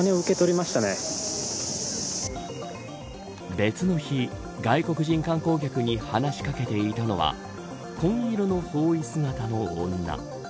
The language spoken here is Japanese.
別の日、外国人観光客に話し掛けていたのは紺色の法衣姿の女。